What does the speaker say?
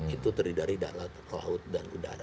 itu dari dari laut laut dan udara